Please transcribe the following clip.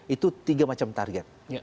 itu tiga macam target